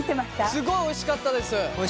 すごいおいしかったです。